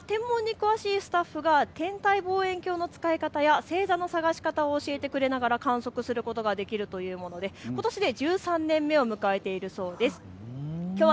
これは天文に詳しいスタッフが天体望遠鏡の使い方や星座の探し方を教えてくれながら観測することができるというもので、ことしで１３年目を迎えているそうです。